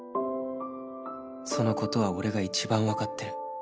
その事は俺が一番わかってる